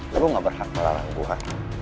lo gak berhak melarang gue